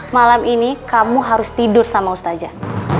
malam ini kamu harus tidur sama ustaja